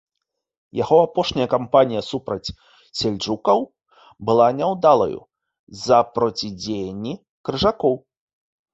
Яго апошняя кампанія супраць сельджукаў была няўдалаю з-за процідзеянні крыжакоў.